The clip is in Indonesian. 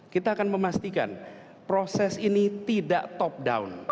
kita akan memastikan proses ini tidak top down